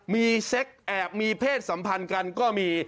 มีเซ็กแอบมีเพศสัมพันธ์กันก็มี